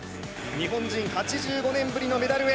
日本人８５年ぶりのメダルへ。